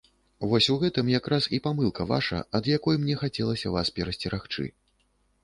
Вось у гэтым якраз і памылка ваша, ад якой мне хацелася вас перасцерагчы.